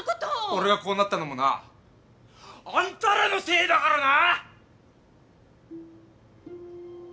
俺がこうなったのもなあんたらのせいだからな！